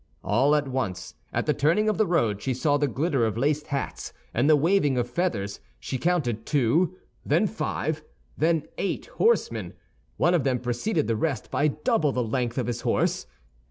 All at once, at the turning of the road she saw the glitter of laced hats and the waving of feathers; she counted two, then five, then eight horsemen. One of them preceded the rest by double the length of his horse.